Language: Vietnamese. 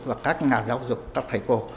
và các nhà giáo dục các thầy cô